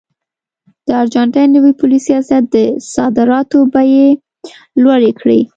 د ارجنټاین نوي پولي سیاست د صادراتو بیې لوړې کړې.